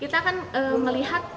kita akan melihat